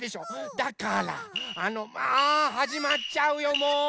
だからあのああはじまっちゃうよもう！